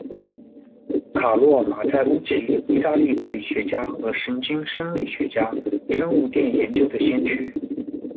卡洛·马泰乌奇，意大利物理学家和神经生理学家，生物电研究的先驱。